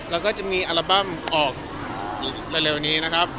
เราก็จะมีอัลบัมออกหลายวันนี้นะครับ